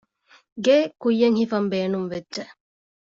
ގެއެއް ކުއްޔަށް ހިފަންބޭނުންވެއްޖެ